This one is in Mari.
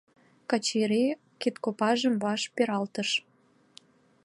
— Качыри кидкопажым ваш пералтыш.